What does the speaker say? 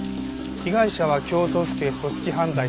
被害者は京都府警組織犯罪対策